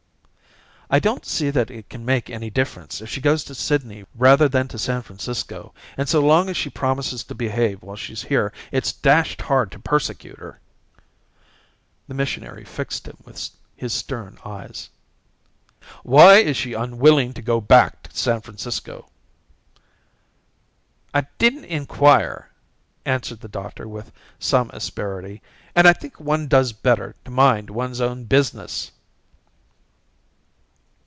"I don't see that it can make any difference if she goes to Sydney rather than to San Francisco, and so long as she promises to behave while she's here it's dashed hard to persecute her." The missionary fixed him with his stern eyes. "Why is she unwilling to go back to San Francisco?" "I didn't enquire," answered the doctor with some asperity. "And I think one does better to mind one's own business."